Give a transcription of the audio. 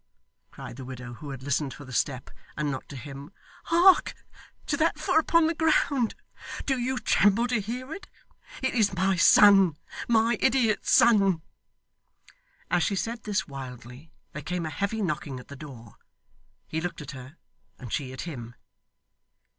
cried the widow, who had listened for the step, and not to him. 'Hark to that foot upon the ground. Do you tremble to hear it! It is my son, my idiot son!' As she said this wildly, there came a heavy knocking at the door. He looked at her, and she at him.